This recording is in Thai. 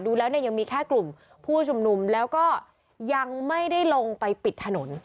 ดูแล้วเนี่ยยังมีแค่กลุ่มผู้ชุมนุมแล้วก็ยังไม่ได้ลงไปปิดถนน